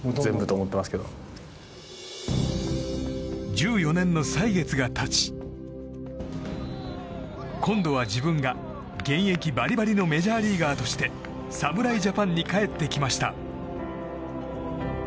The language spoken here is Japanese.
１４年の歳月が経ち今度は自分が、現役バリバリのメジャーリーガーとして侍ジャパンに帰ってきました。